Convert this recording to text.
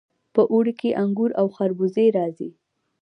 په اوړي کې انګور او خربوزې راځي.